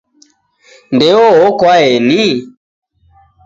Ndeo oko aeni?